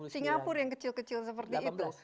singapura yang kecil kecil seperti itu